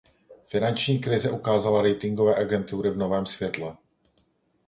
Finanční krize ukázala ratingové agentury v novém světle.